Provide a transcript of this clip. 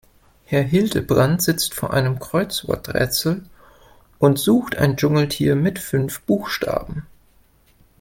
Herr Hildebrand sitzt vor einem Kreuzworträtsel und sucht ein Dschungeltier mit fünf Buchstaben.